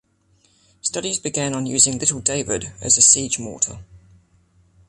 Studies began on using Little David as a siege mortar.